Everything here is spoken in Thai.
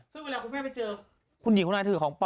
ซึ่งเวลาคุณแม่ไปเจอคุณหญิงคนไหนถือของปอ